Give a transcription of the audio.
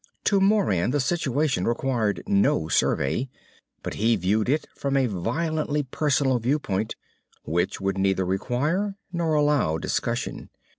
To Moran the situation required no survey, but he viewed it from a violently personal viewpoint which would neither require or allow discussion.